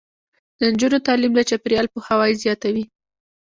د نجونو تعلیم د چاپیریال پوهاوي زیاتوي.